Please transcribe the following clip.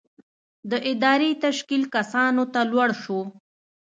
د ادارې تشکیل کسانو ته لوړ شو.